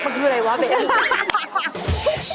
มันคืออะไรวะเบน